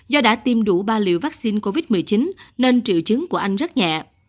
do đã tiêm đủ ba liều vaccine covid một mươi chín nên triệu chứng của anh rất nhẹ